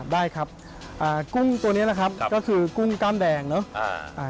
ได้ครับกุ้งตัวนี้นะครับก็คือกุ้งกล้ามแดงเนอะ